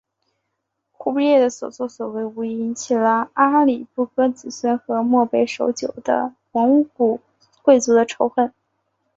忽必烈的所做所为无疑引起了阿里不哥子孙和漠北守旧的蒙古贵族的仇恨。